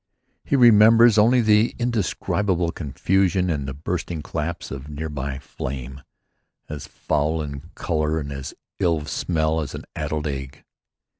He remembers only the indescribable confusion and the bursting claps of near by flame, as foul in color and as ill of smell as an addled egg.